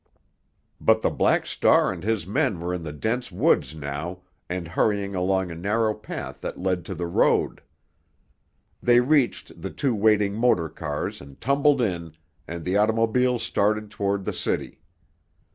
But the Black Star and his men were in the dense woods now and hurrying along a narrow path that led to the road. They reached the two waiting motor cars and tumbled in, and the automobiles started toward the city.